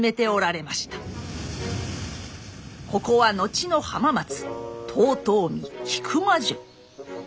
ここは後の浜松遠江引間城。